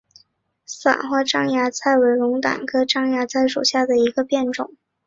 伞花獐牙菜为龙胆科獐牙菜属下的一个变种。